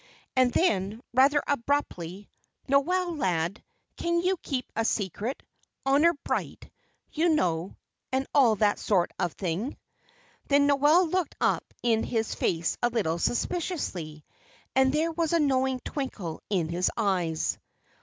And then, rather abruptly, "Noel, lad, can you keep a secret honour bright, you know, and all that sort of thing?" Then Noel looked up in his face a little suspiciously, and there was a knowing twinkle in his eyes.